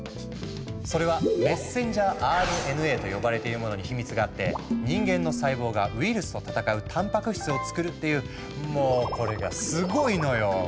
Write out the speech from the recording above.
それは「メッセンジャーＲＮＡ」と呼ばれているものにヒミツがあって人間の細胞がウイルスと戦うたんぱく質をつくるっていうもおこれがスゴいのよ！